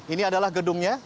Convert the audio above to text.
ini adalah gedungnya